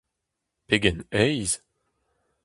Pegen aes !